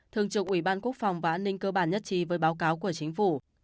thường trực ủy ban quốc phòng và an ninh cơ bản nhất trí với báo cáo của chính phủ